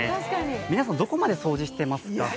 皆さん、どこまで掃除してますか？